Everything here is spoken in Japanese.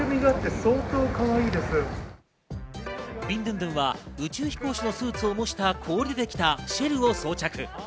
ビンドゥンドゥンは宇宙飛行士のスーツを模した氷でできたシェルを装着。